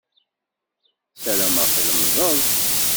Sarameɣ tlemmdem.